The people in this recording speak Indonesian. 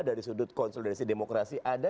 dari sudut konsolidasi demokrasi ada